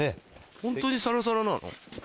ホントにサラサラなの？